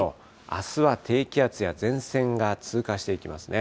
あすは低気圧や前線が通過していきますね。